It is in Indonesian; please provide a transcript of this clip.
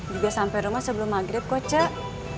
juga sampai rumah sebelum maghrib kok cek